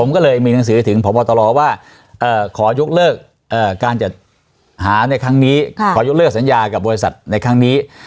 ก็เลยมีหนังสือถึงพบตรว่าขอยกเลิกการจัดหาในครั้งนี้ขอยกเลิกสัญญากับบริษัทในครั้งนี้